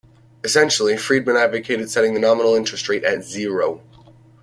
Essentially, Friedman advocated setting the nominal interest rate at zero.